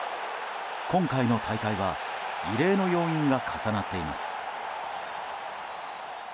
今回の大会は異例の要因が重なっています。